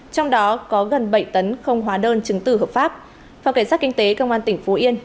trong đó có gần bảy tấn không hóa đơn chứng tử hợp pháp phòng cảnh sát kinh tế công an tỉnh phú yên